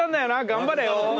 頑張れよ。